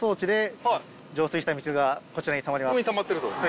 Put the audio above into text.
した水がこちらにたまります。